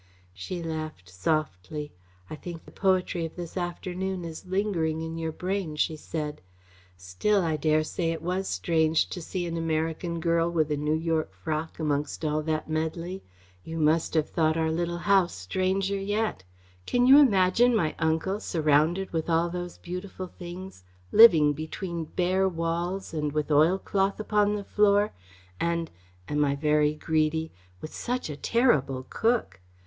She laughed softly. "I think the poetry of this afternoon is lingering in your brain," she said. "Still, I dare say it was strange to see an American girl with a New York frock amongst all that medley. You must have thought our little house stranger yet. Can you imagine my uncle, surrounded with all those beautiful things, living between bare walls and with oil cloth upon the floor, and am I very greedy with such a terrible cook?